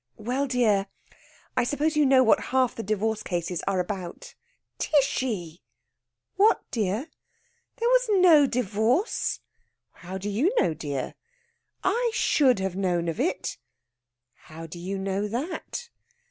'" "Well, dear, I suppose you know what half the divorce cases are about?" "Tishy!" "What, dear?" "There was no divorce!" "How do you know, dear?" "I should have known of it." "How do you know that?"